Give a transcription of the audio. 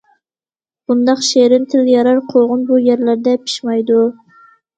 بۇنداق شېرىن، تىل يارار قوغۇن بۇ يەرلەردە پىشمايدۇ.